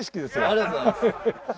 ありがとうございます。